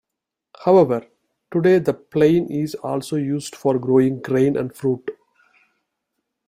However today the plain is also used for growing grain and fruit.